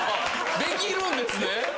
できるんですね。